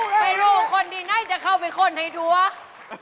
ฮัยโหคนนี่ไหนจะเข้าไปคนให้ทัวร์